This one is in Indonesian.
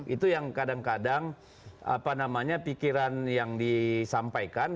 itu yang kadang kadang pikiran yang disampaikan